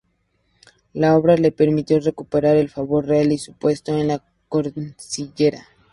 La obra le permitió recuperar el favor real y su puesto en la cancillería.